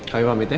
kami pamit ya